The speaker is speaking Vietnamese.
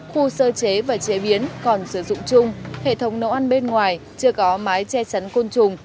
khu sơ chế và chế biến còn sử dụng chung hệ thống nấu ăn bên ngoài chưa có mái che chắn côn trùng